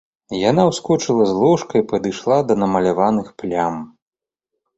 Яна ўскочыла з ложка і падышла да намаляваных плям.